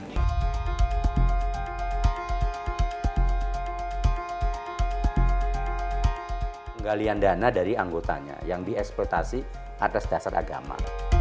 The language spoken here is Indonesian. penggalian dana dari anggotanya yang dieksploitasi atas dasar agama